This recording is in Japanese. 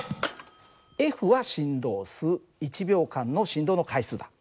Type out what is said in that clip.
は振動数１秒間の振動の回数だ。